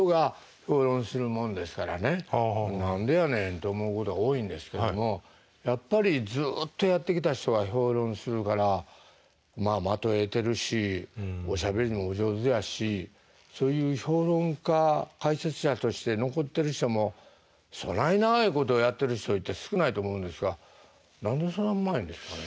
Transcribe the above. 「何でやねん」と思うことが多いんですけどもやっぱりずっとやってきた人が評論するからまあ的を射てるしおしゃべりもお上手やしそういう評論家解説者として残ってる人もそない長いことやってる人って少ないと思うんですが何でそんなうまいんですかね？